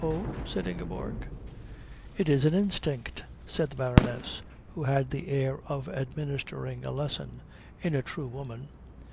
"Oh?" said Ingeborg. "It is an instinct," said the Baroness, who had the air of administering a lesson, "in a true woman.